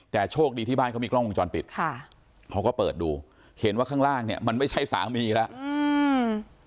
แต่โชคดีที่บ้านเขามีกล้องวงจรปิดค่ะเขาก็เปิดดูเห็นว่าข้างล่างเนี้ยมันไม่ใช่สามีแล้วอืม